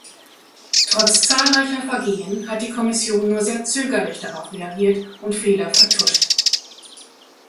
Trotz zahlreicher Vergehen hat die Kommission nur sehr zögerlich darauf reagiert und Fehler vertuscht.